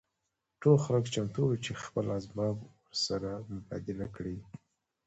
ټول خلک چمتو وو چې خپل اسباب ورسره مبادله کړي